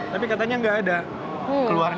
tapi katanya nggak ada